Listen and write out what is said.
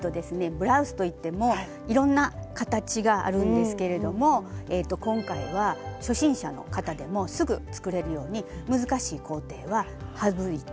ブラウスといってもいろんな形があるんですけれども今回は初心者の方でもすぐ作れるように難しい工程は省いて。